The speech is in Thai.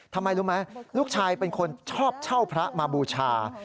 ทำไมรู้ไหมลูกชายเป็นคนชอบเช่าพระมาบูชา